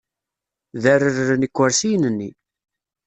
Derreren ikersiyen-nni.